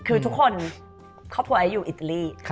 คือทุกคนครอบครัวไอซ์อยู่อิตาลี